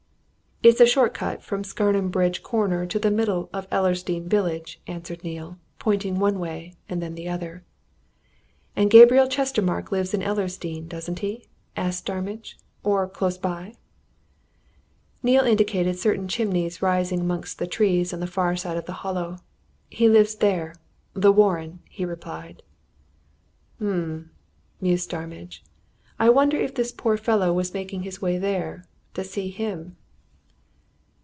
"It's a short cut from Scarnham Bridge corner to the middle of Ellersdeane village," answered Neale, pointing one way and then the other. "And Gabriel Chestermarke lives in Ellersdeane, doesn't he?" asked Starmidge. "Or close by?" Neale indicated certain chimneys rising amongst the trees on the far side of the Hollow. "He lives there The Warren," he replied. "Um!" mused Starmidge. "I wonder if this poor fellow was making his way there to see him?"